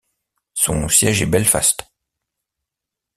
Son siège est Belfast.